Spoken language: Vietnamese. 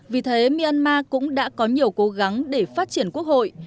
vì thế myanmar cũng đã có nhiều cố gắng để phát triển quốc hội